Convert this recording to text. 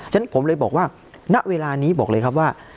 ฉะผมเลยบอกว่าณเวลานี้บอกเลยครับว่า